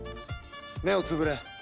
目をつぶれ。